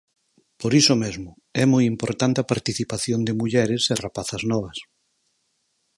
Por iso mesmo, é moi importante a participación de mulleres e rapazas novas.